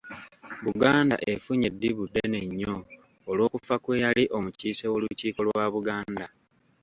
Buganda efunye eddibu ddene nnyo olw’okufa kw'eyali omukiise w’Olukiiko lwa Buganda.